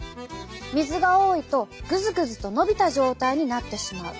水が多いとぐずぐずとのびた状態になってしまう。